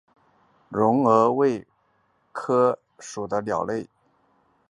绒额䴓为䴓科䴓属的鸟类。